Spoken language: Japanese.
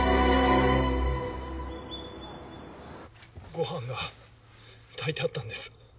ご飯が炊いてあったんです。